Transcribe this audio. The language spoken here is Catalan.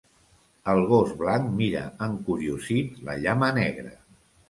El gos blanc mira encuriosit la llama negra.